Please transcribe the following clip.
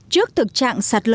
trước thực trạng sạt lở